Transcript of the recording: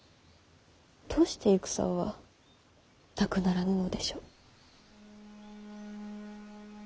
どうして戦はなくならぬのでしょう。